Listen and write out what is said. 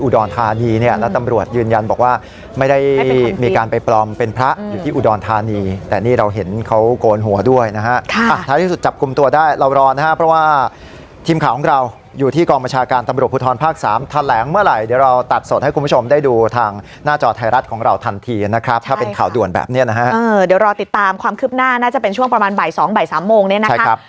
ได้เรารอนะครับเพราะว่าทีมข่าวของเราอยู่ที่กองประชาการตำรวจพุทธรภาค๓ทะแหลงเมื่อไหร่เดี๋ยวเราตัดสดให้คุณผู้ชมได้ดูทางหน้าจอไทยรัฐของเราทันทีนะครับถ้าเป็นข่าวด่วนแบบนี้นะฮะเดี๋ยวรอติดตามความคลึบหน้าน่าจะเป็นช่วงประมาณ๒๓โมงเนี่ยนะครับ